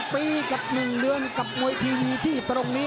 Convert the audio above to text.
ปีกับ๑เดือนกับมวยทีวีที่ตรงนี้